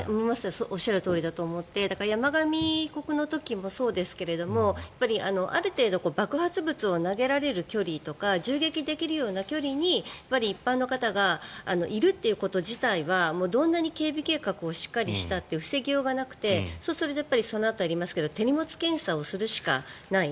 おっしゃるとおりだと思って山上被告の時もそうですけどある程度爆発物を投げられる距離とか銃撃できるような距離に一般の方がいるということ自体はどんなに警備計画をしっかりしたって防ぎようがなくてそうするとそのあとやりますけど手荷物検査をするしかない。